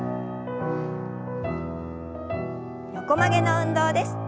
横曲げの運動です。